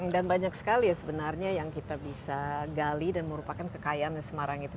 dan banyak sekali ya sebenarnya yang kita bisa gali dan merupakan kekayaan di semarang itu